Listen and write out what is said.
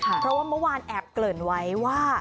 เพราะว่าเมื่อวานแอบเกริ่นไว้ว่า